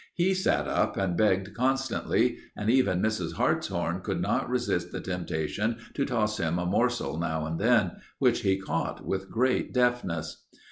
He sat up and begged constantly, and even Mrs. Hartshorn could not resist the temptation to toss him a morsel now and then, which he caught with great deftness.